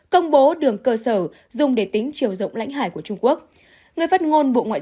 công bố đường cơ sở dùng để tính chiều rộng